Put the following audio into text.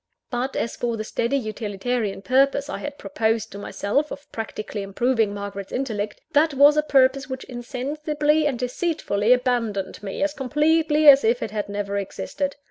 But, as for the steady, utilitarian purpose I had proposed to myself of practically improving Margaret's intellect, that was a purpose which insensibly and deceitfully abandoned me as completely as if it had never existed.